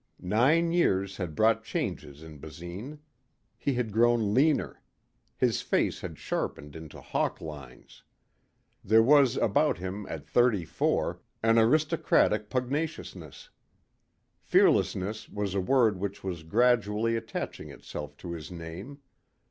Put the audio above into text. Nine years had brought changes in Basine. He had grown leaner. His face had sharpened into hawk lines. There was about him at thirty four, an aristocratic pugnaciousness. Fearlessness was a word which was gradually attaching itself to his name.